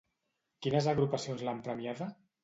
Quines agrupacions l'han premiada?